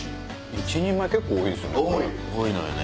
１人前結構多いですよね。